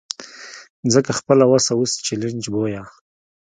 ځکه خپله وسه اوس چلنج بویه.